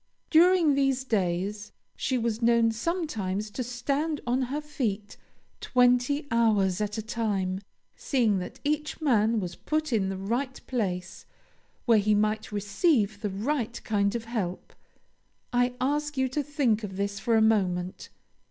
During these days she was known sometimes to stand on her feet twenty hours at a time, seeing that each man was put in the right place, where he might receive the right kind of help. I ask you to think of this for a moment.